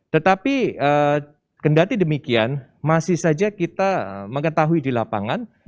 tetapi kendati demikian masih saja kita mengetahui di lapangan